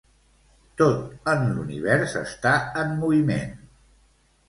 Tot en l'únivers està en moviment